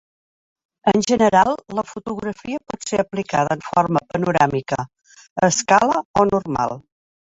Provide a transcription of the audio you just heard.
En general, la fotografia pot ser aplicada en forma panoràmica, a escala o normal.